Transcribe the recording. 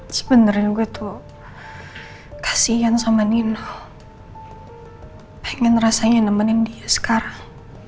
sebenarnya gue tuh kasian sama nino pengen rasanya nemenin dia sekarang